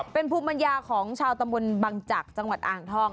เป็นภูมิปัญญาของชาวตำบลบังจักรจังหวัดอ่างทอง